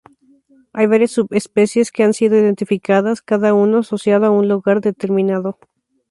Hay varias subespecies que han sido identificadas, cada uno asociado a un lugar determinado.